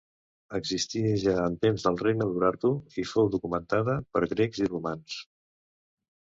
Existia ja en temps del regne d'Urartu i fou documentada per grecs i romans.